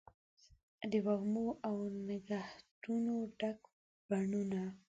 د وږمو او نګهتونو ډک بڼوڼه